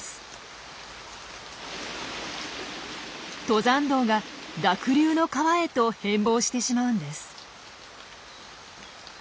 登山道が濁流の川へと変貌してしまうんです。